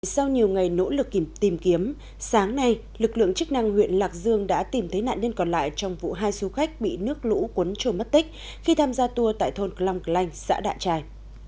sau nhiều ngày nỗ lực tìm kiếm sáng nay lực lượng chức năng huyện lạc dương đã tìm thấy nạn nhân còn lại trong vụ hai du khách bị nước lũ cuốn trôi mất tích khi tham gia tour tại thôn cloung klanh xã đại trài